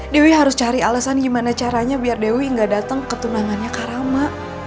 dewi harus cari alasan gimana caranya biar dewi nggak datang ke tunangannya kak rama